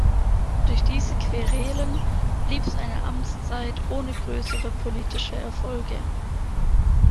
Durch diese Querelen blieb seine Amtszeit ohne größere politische Erfolge.